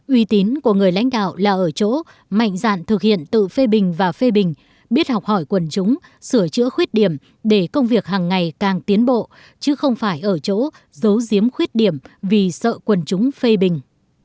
uy tín của người lãnh đạo là ở chỗ mạnh dạn thực hiện tự phê bình và phê bình biết học hỏi quần chúng sửa chữa khuyết điểm để công việc hàng ngày càng tiến bộ chứ không phải ở chỗ giấu giếm khuyết điểm vì sợ quần chúng phê bình